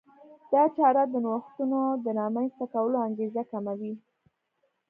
دا چاره د نوښتونو د رامنځته کولو انګېزه کموي.